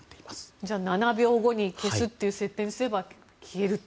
じゃあ７秒後に消すという設定にすれば消えると。